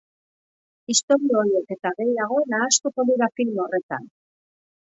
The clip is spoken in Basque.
Istorio horiek eta gehiago nahastuko dira film horretan.